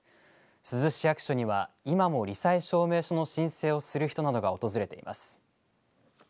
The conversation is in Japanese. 珠洲市役所には今もり災証明書の申請をする人などが訪れています。